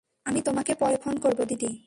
আমি তোমাকে পরে ফোন করব, দিদি।